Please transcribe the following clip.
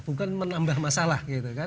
bukan menambah masalah